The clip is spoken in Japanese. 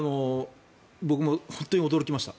僕も本当に驚きました。